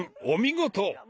お見事！